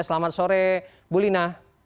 selamat sore bulina